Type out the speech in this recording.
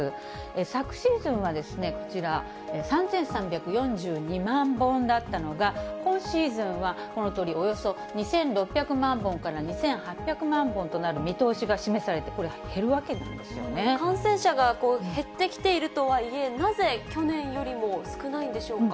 昨シーズンはこちら、３３４２万本だったのが、今シーズンはこのとおり、およそ２６００万本から２８００万本となる見通しが示されて、感染者が減ってきているとはいえ、なぜ去年よりも少ないんでしょうか。